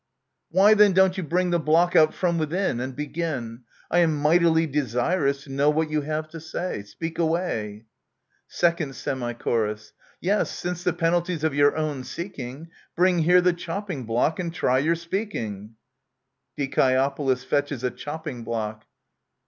Why, then, don't you bring the block out from within, And begin ? I am mightily desirous to know what you have to say ! Speak away ! 2nd Semi Chor. Yes, since the penalty's of your own seeking, Bring here the chopping block, and try your speaking. [Dicmovous fetches a chopping block.